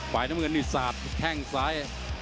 ฝ่ายน้ำเงินนี่สาดแข้งซ้าย